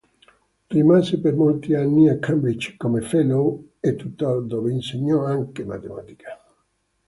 Rimase per molti anni a Cambridge come "fellow" e "tutor", dove insegnò anche matematica.